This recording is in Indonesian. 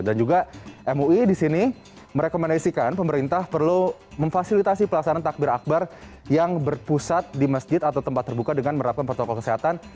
dan juga mui disini merekomendasikan pemerintah perlu memfasilitasi pelaksanaan takbir akbar yang berpusat di masjid atau tempat terbuka dengan merapkan protokol kesehatan